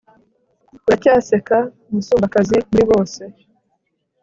uracyaseka musumbakazi muri bose